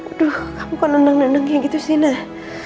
aduh kamu kok nendeng nendengnya gitu sih nah